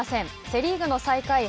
セ・リーグの最下位